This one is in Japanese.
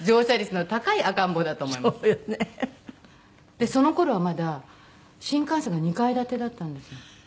でその頃はまだ新幹線が２階建てだったんです。